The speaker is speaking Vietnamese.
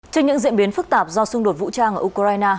trên những diễn biến phức tạp do xung đột vũ trang ở ukraine